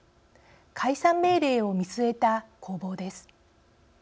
「解散命令を見据えた攻防」です。